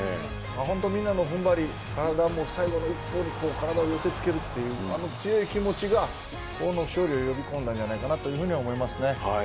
本当にみんなの踏ん張り最後の１本まで体を寄せ付ける強い気持ちがこの勝利を呼び込んだんじゃないかなと思います。